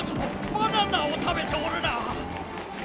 バナナをたべておるな！